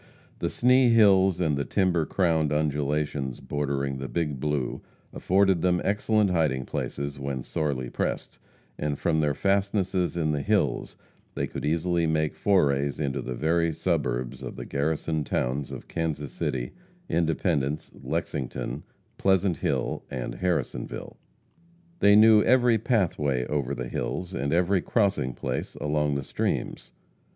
The Sni hills and the timber crowned undulations bordering the Big Blue, afforded them excellent hiding places when sorely pressed, and from their fastnesses in the hills they could easily make forays into the very suburbs of the garrisoned towns of Kansas City, Independence, Lexington, Pleasant Hill and Harrisonville. They knew every pathway over the hills, and every crossing place along the streams.